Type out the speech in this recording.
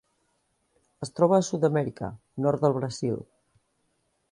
Es troba a Sud-amèrica: nord del Brasil.